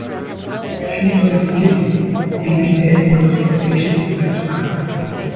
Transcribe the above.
She plays 'Kitty,' Bebe Daniels' flirtatious best friend.